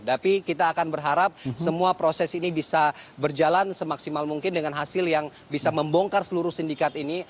tapi kita akan berharap semua proses ini bisa berjalan semaksimal mungkin dengan hasil yang bisa membongkar seluruh sindikat ini